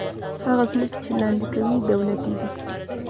هغه ځمکې چې لاندې کوي، دولتي دي.